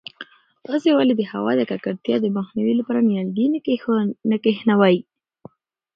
تاسې ولې د هوا د ککړتیا د مخنیوي لپاره نیالګي نه کښېنوئ؟